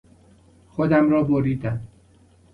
خودم را بریدم.